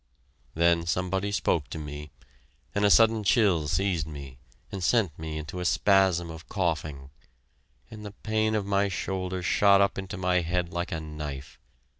Then somebody spoke to me, and a sudden chill seized me and sent me into a spasm of coughing, and the pain of my shoulder shot up into my head like a knife...